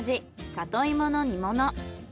里芋の煮物。